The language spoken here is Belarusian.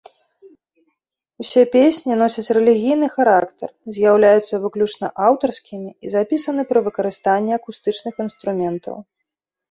Усё песні носяць рэлігійны характар, з'яўляюцца выключна аўтарскімі і запісаны пры выкарыстанні акустычных інструментаў.